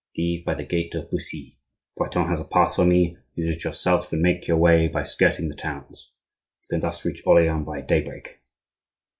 Leave by the gate of Bussy. Breton has a pass for me; use it yourself, and make your way by skirting the towns. You can thus reach Orleans by daybreak."